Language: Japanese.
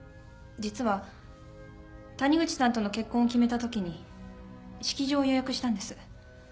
実は谷口さんとの結婚を決めたときに式場を予約したんです。